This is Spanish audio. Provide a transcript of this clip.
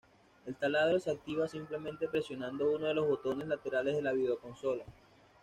El taladro se activa simplemente presionando uno de los botones laterales de la videoconsola.